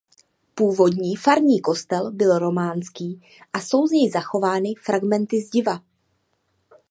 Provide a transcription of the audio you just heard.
Původní farní kostel byl románský a jsou z něj zachovány fragmenty zdiva.